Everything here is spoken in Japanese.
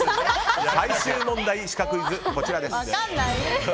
最終問題シカクイズ、こちらです。